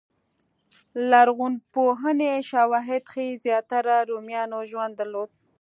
لرغونپوهنې شواهد ښيي زیاتره رومیانو ژوند درلود